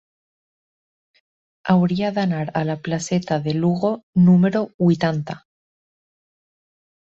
Hauria d'anar a la placeta de Lugo número vuitanta.